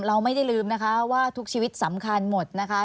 เราไม่ได้ลืมนะคะว่าทุกชีวิตสำคัญหมดนะคะ